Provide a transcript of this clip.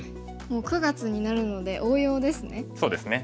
もう９月になるので応用ですね。